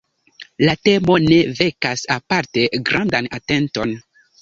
La temo ne vekas aparte grandan atenton.